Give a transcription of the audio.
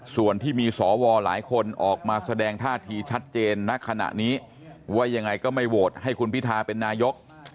ส่วนที่มีสวหลายคนออกมาแสดงท่าทีชัดเจนณขณะนี้ว่ายังไงก็ไม่โหวตให้คุณพิทาเป็นนายก